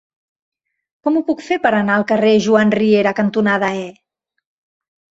Com ho puc fer per anar al carrer Joan Riera cantonada E?